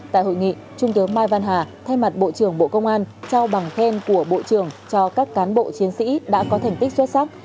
tại hội nghị trung tướng mai văn hà thay mặt bộ trưởng bộ công an trao bằng khen của bộ trưởng cho các cán bộ chiến sĩ đã có thành tích xuất sắc